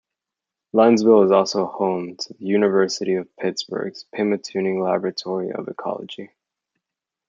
Linesville is also home to the University of Pittsburgh's Pymatuning Laboratory of Ecology.